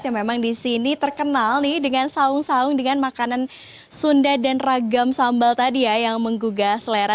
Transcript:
yang memang di sini terkenal nih dengan saung saung dengan makanan sunda dan ragam sambal tadi ya yang menggugah selera